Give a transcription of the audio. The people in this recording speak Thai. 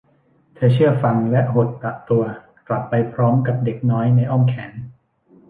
เธอเชื่อฟังและหดตตัวกลับไปพร้อมกับเด็กน้อยในอ้อมแขน